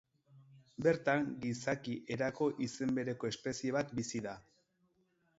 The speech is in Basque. Bertan, gizaki erako izen bereko espezie bat bizi da.